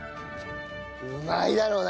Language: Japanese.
うまいだろうな。